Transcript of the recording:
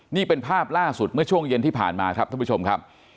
นี่เป็นภาพล่าสุดเมื่อช่วงเย็นที่ผ่านมาครับท่านผู้ชมครับ